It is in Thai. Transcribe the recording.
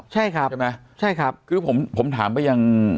ใช่ครับใช่ไหมใช่ครับคือผมผมถามไปยัง